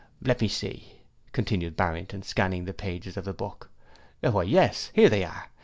'Let me see,' continued Barrington, scanning the pages of the book, 'Why, yes, here they are!